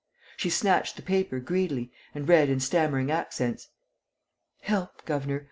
She snatched the paper greedily and read in stammering accents: "Help, governor!...